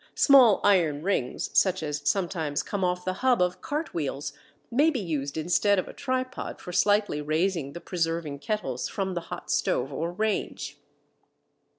Small iron rings, such as sometimes come off the hub of cart wheels, may be used instead of a tripod for slightly raising the preserving kettles from the hot stove or range.